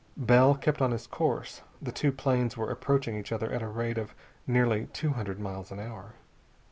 Bell kept on his course. The two planes were approaching each other at a rate of nearly two hundred miles an hour.